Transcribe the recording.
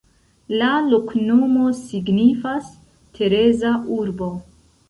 La loknomo signifas: Tereza-urbo.